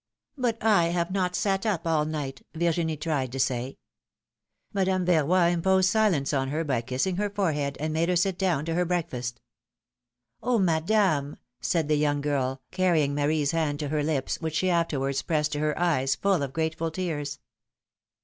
But I have not sat up all night, Virginie tried to say. Madame Yerroy imposed silence on her by kissing her forehead, and made her sit down to her breakfast. ^^Oh, Madame! said the young girl, carrying Marie's hand to her lips, which she afterwards pressed to her eyes, full of grateful tears.